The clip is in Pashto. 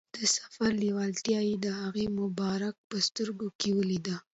د سفر لیوالتیا یې د هغه مبارک په سترګو کې ولیدله.